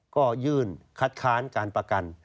ก็ยื่นคัดค้านการประกัน